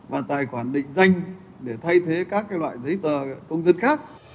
và tài khoản định danh để thay thế các loại giấy tờ công dân khác